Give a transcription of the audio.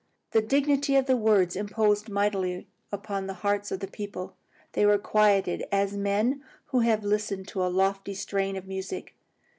The dignity of the words imposed mightily upon the hearts of the people. They were quieted as men who have listened to a lofty strain of music.